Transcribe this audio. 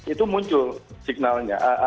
itu muncul signalnya